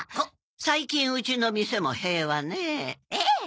最近うちの店も平和ね。